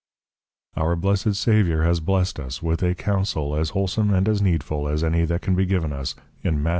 _ Our Blessed Saviour has blessed us, with a counsil, as Wholsome and as Needful as any that can be given us, in _Math.